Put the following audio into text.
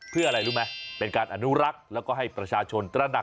เพื่ออะไรรู้ไหมเป็นการอนุรักษ์แล้วก็ให้ประชาชนตระหนัก